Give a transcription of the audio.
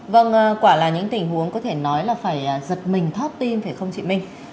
vâng quả là những tình huống có thể nói là phải giật mình thót tim phải không chị minh